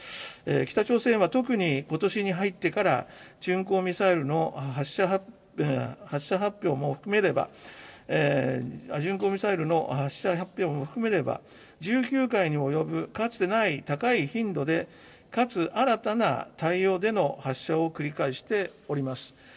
北朝鮮は特にことしに入ってから、巡航ミサイルの発射発表も含めれば、巡航ミサイルの発射発表も含めれば、１９回に及ぶかつてない高い頻度で、かつ新たな対応での発射を繰り返しております。